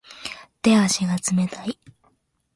手足が冷たい